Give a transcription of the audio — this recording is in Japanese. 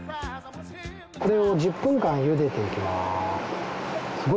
これを１０分間ゆでていきます。